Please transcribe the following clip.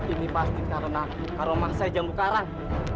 ini pasti karena karomah saya janggut karang